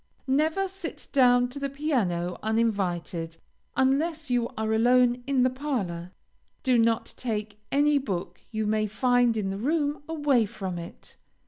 Never sit down to the piano uninvited, unless you are alone in the parlor. Do not take any book you may find in the room away from it.